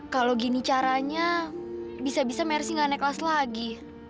kalau gini caranya bisa bisa mercy gak naik kelas lagi